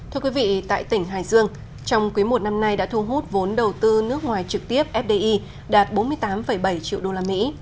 thưa quý vị tại tỉnh hải dương trong quý một năm nay đã thu hút vốn đầu tư nước ngoài trực tiếp fdi đạt bốn mươi tám bảy triệu đô la mỹ